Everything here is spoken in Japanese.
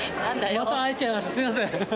また会えちゃいました、すみません。